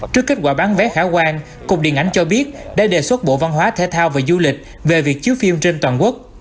trước kết quả bán vé khả quan cục điện ảnh cho biết đã đề xuất bộ văn hóa thể thao và du lịch về việc chiếu phim trên toàn quốc